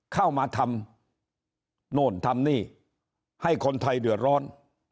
เข้ามาทำโน่นทำนี่ให้คนไทยเดือดร้อน